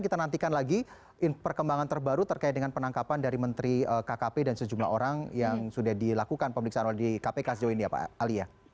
kita nantikan lagi perkembangan terbaru terkait dengan penangkapan dari menteri kkp dan sejumlah orang yang sudah dilakukan pemeriksaan oleh kpk sejauh ini ya pak ali ya